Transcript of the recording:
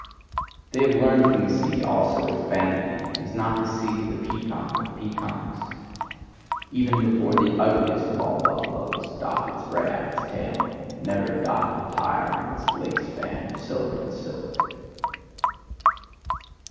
They have learned from the sea also its vanity: is not the sea the peacock of peacocks? Even before the ugliest of all buffaloes doth it spread out its tail; never doth it tire of its lace fan of silver and silk.